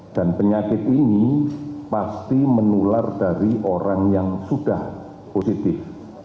dan penyakit ini pasti menular dari orang yang sudah positif